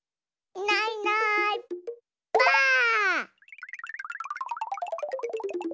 いないいないばあっ！